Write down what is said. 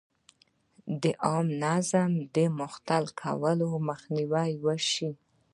د عامه نظم د مختل کولو مخنیوی وشي.